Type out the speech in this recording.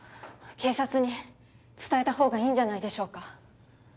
警察に伝えたほうがいいんじゃないでしょうか？